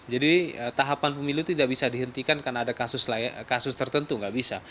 jadi tahapan pemilih tidak bisa dihentikan karena ada kasus tertentu nggak bisa